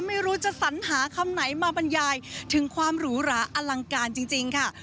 ไม่รู้จะสัญหาคำไหนมาบรรยายถึงความหรูหราอลังการจริงค่ะ